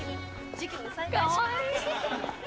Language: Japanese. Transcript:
かわいい！